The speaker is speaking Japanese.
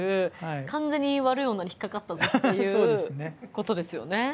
完全に悪い女に引っ掛かったぞっていうことですよね。